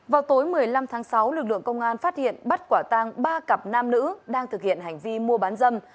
vào tối một mươi năm tháng sáu lực lượng công an phát hiện bắt quả tang ba cặp nam nữ đang thực hiện hành vi mua bán dâm